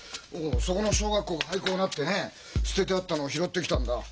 そこの小学校が廃校になってね捨ててあったのを拾ってきたんだ。